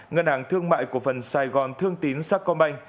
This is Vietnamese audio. ngân hàng thương mại cổ phần sài gòn thương tín sacombank